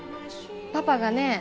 パパがね